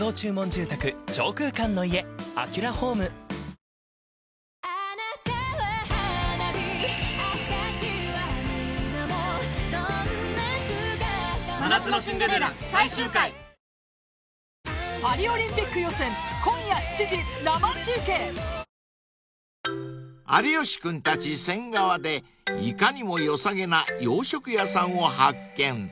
サントリーセサミン［有吉君たち仙川でいかにもよさげな洋食屋さんを発見］